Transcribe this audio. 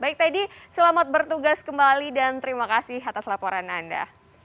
baik teddy selamat bertugas kembali dan terima kasih atas laporan anda